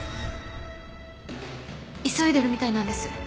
急いでるみたいなんです。